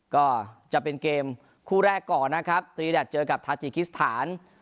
ก็จะเป็นเกมคู่แรกก่อนนะครับตรีแดดเจอกับทาจิกิสถาน